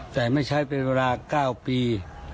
แต่ไม่ใช้เป็นเวลา๙ปี